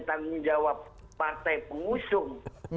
tanggung jawab partai pengusung